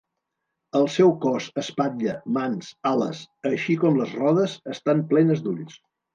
El seu cos, espatlla, mans, ales, així com les rodes, estan plenes d'ulls.